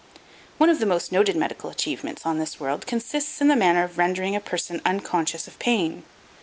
One of the most noted medical achievements on this world consists in the manner of rendering a person unconscious of pain.